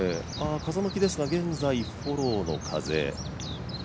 風向きですが現在フォローの風。